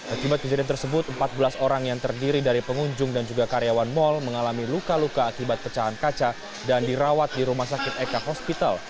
akibat kejadian tersebut empat belas orang yang terdiri dari pengunjung dan juga karyawan mal mengalami luka luka akibat pecahan kaca dan dirawat di rumah sakit eka hospital